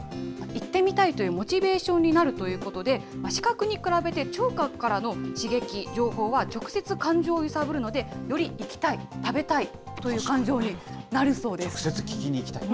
行ってみたいというモチベーションになるということで、視覚に比べて聴覚からの刺激、情報は直接感情を揺さぶるので、より行きたい、食べたいという感情になるそうです。